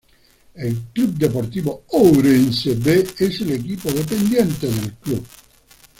El Club Deportivo Ourense B es el equipo dependiente del club.